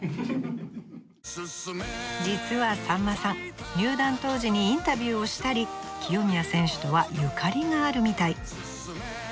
実はさんまさん入団当時にインタビューをしたり清宮選手とはゆかりがあるみたい。